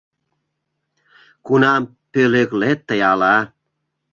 Кунам пӧлеклет тый ала?